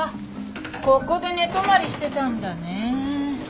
ここで寝泊まりしてたんだね。